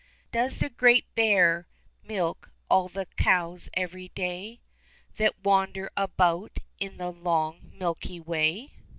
Does the Great Bear milk all the cows every That wander about in the long Milky Way